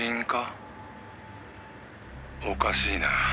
「おかしいな。